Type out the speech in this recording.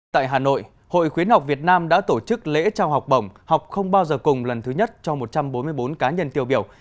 tại hà nội hội khuyến học việt nam đã tổ chức lễ trao học bổng học không bao giờ cùng lần thứ nhất cho một trăm bốn mươi bốn cá nhân tiêu biểu